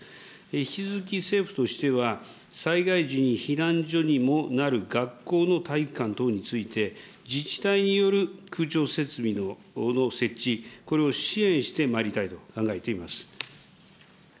引き続き政府としては、災害時に避難所にもなる学校の体育館等について、自治体による空調設備の設置、これを支援してまいりたいと考えています。